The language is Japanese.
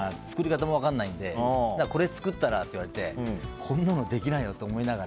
作り方も分からないのでこれ作ったら？って言われてこんなのできないよって。